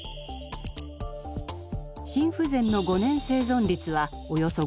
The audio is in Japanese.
心不全の５年生存率はおよそ５０％。